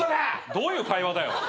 どういう会話だよ。